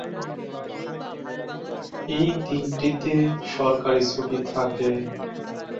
এই দিনটিতে সরকারি ছুটি থাকে।